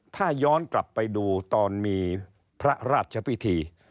ถ้าย้อนกลับไปดูตอนมีพระราชพิธี